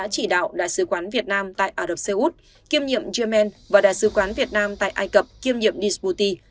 chỉ đạo đại sứ quán việt nam tại ả rập xê út kiêm nhiệm yemen và đại sứ quán việt nam tại ai cập kiêm nhiệm nisputi